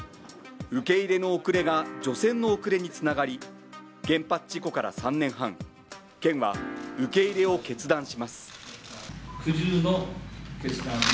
受け入れの遅れが除染の遅れにつながり、原発事故から３年半、県は受け入れを決断します。